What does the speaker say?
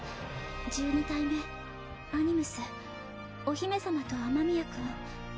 １２体目アニムスお姫様と雨宮君。